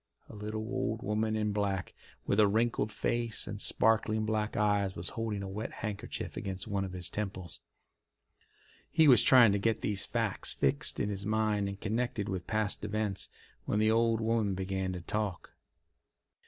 A little old woman in black, with a wrinkled face and sparkling black eyes, was holding a wet handkerchief against one of his temples. He was trying to get these facts fixed in his mind and connected with past events, when the old woman began to talk.